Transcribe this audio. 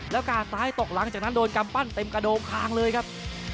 แล้วกาดซ้ายตกหลังจากนั้นโดนกำปั้นเต็มกระโดงคางเลยครับ